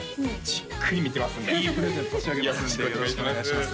じっくり見てますんでいいプレゼント差し上げますんでよろしくお願いします